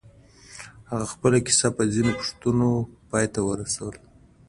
هغه خپله کيسه په ځينو پوښتنو پای ته ورسوله.